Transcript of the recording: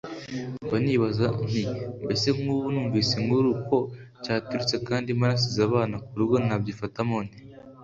mba nibaza nti mbese nk’ubu numvise inkuru ko cyaturitse kandi mba nasize abana ku rugo nabyifatamo nte